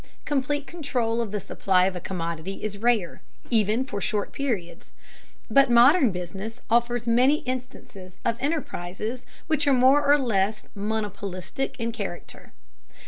Complete control of the supply of a commodity is rare, even for short periods, but modern business offers many instances of enterprises which are more or less monopolistic in character.